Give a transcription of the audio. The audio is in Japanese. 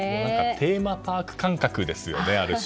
テーマパーク感覚ですよね。